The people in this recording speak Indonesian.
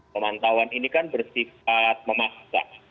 pemantauan ini kan bersifat memaksa